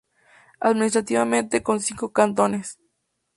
Administrativamente con cinco cantones.